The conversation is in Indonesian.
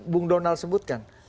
bung donald sebutkan